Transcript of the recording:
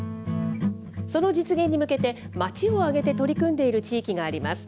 その実現に向けて、町を挙げて取り組んでいる地域があります。